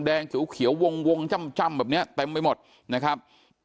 เขียววงจ้ำแบบนี้เต็มไปหมดนะครับ